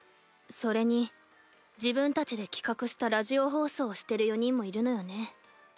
それに自分たちで企画したラジオ放送をしてる４人もいるのよね。